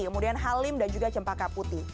kemudian halim dan juga cempa kak putih